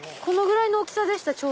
このぐらいの大きさでした